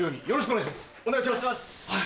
お願いします。